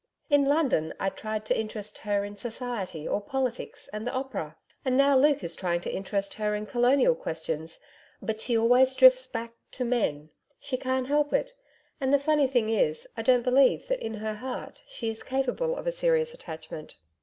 In London, I tried to interest her in Society, or Politics, and the Opera and now Luke is trying to interest her in Colonial questions but she always drifts back to Men. She can't help it. And the funny thing is, I don't believe that in her heart she is capable of a serious attachment.'